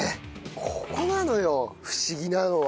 ここなのよ不思議なのは。